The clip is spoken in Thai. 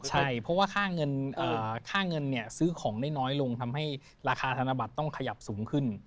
ใช่เพราะว่าค่าเงินซื้อของได้น้อยลงทำให้ราคาธนบัตรต้องขยับสูงขึ้น